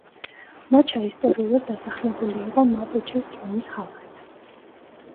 მოჩა ისტორიულად დასახლებული იყო მაპუჩეს ტომის ხალხით.